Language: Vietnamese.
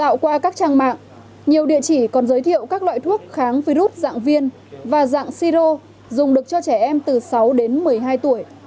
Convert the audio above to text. tạo qua các trang mạng nhiều địa chỉ còn giới thiệu các loại thuốc kháng virus dạng viên và dạng siro dùng được cho trẻ em từ sáu đến một mươi hai tuổi